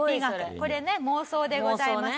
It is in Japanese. これね妄想でございます。